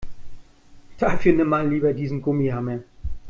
Dafür nimm mal lieber diesen Gummihammer.